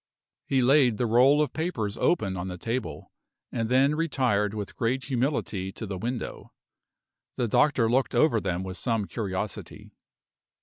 He laid the roll of papers open on the table, and then retired with great humility to the window. The doctor looked over them with some curiosity.